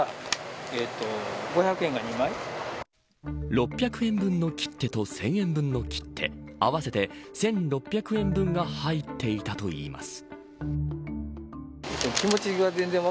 ６００円分の切手と１０００円分の切手合わせて１６００円分が入っていたといいます。